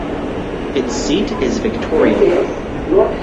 Its seat is Victoriaville.